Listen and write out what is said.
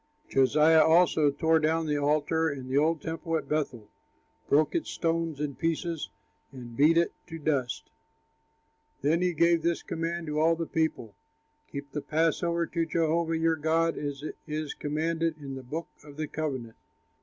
Josiah also tore down the altar and the old temple at Bethel, broke its stones in pieces, and beat it to dust. Then he gave this command to all the people: "Keep the passover to Jehovah your God, as is commanded in this book of the covenant."